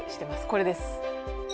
これです